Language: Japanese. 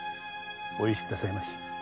お許しくださいまし。